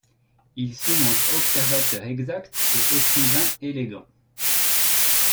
Il s'y montre observateur exact et écrivain élégant.